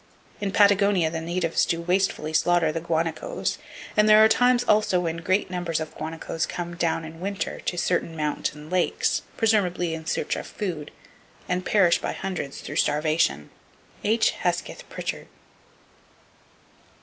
In Patagonia the natives do wastefully slaughter the guanacos; and there are times also when great numbers of guanacos come down in winter to certain mountain lakes, presumably in search of food, and perish by hundreds through starvation. (H. Hesketh Prichard.)